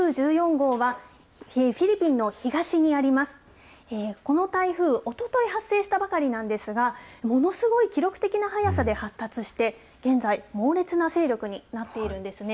この台風、おととい発生したばかりなんですが、ものすごい記録的な早さで発達して、現在、猛烈な勢力になっているんですね。